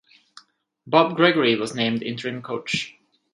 Bob Gregory was named interim coach.